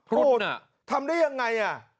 โคตรทำได้ยังไงอ่ะ